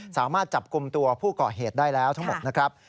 สามารถจับกลุ่มตัวผู้ก่อเหตุได้แล้วทั้งหมดนะครับ